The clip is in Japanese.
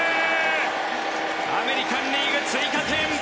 アメリカン・リーグ、追加点！